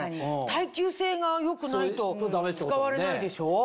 耐久性が良くないと使われないでしょ？